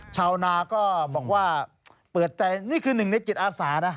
ชาวนาก็บอกว่าเปิดใจนี่คือหนึ่งในจิตอาสานะ